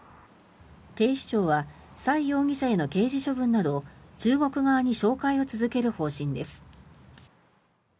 警視庁はサイ容疑者への刑事処罰など中国側に照会を続ける方針です。